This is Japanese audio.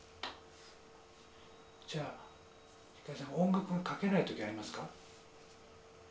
じゃあ光さん音楽が書けない時ありますか？